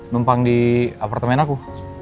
numpang di apartemen aku